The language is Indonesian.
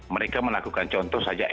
mereka melakukan contoh saja